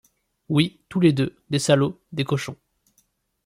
Oui, tous les deux, des salops, des cochons !…